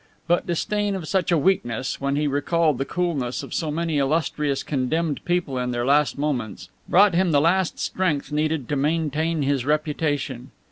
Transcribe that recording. But disdain of such a weakness, when he recalled the coolness of so many illustrious condemned people in their last moments, brought him the last strength needed to maintain his reputation.